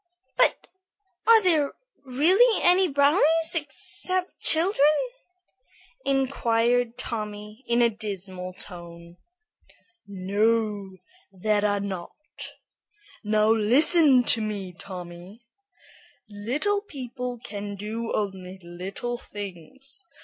"But are there really any brownies except children?" inquired Tommy, in a dismal tone. "No, there are not. Now listen to me, Tommy. Little people can do only little things.